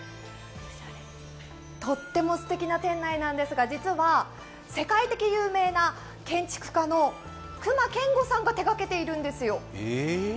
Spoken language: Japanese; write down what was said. とってもすてきな店内なんですが実は世界的に有名な建築家の隈研吾さんが手がけているんですよ。